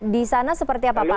di sana seperti apa pak